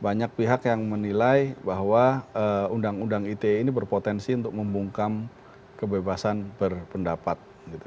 banyak pihak yang menilai bahwa undang undang ite ini berpotensi untuk membungkam kebebasan berpendapat